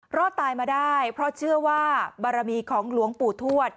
รอดตายมาได้เพราะเชื่อว่าบารมีของหลวงปู่ทวด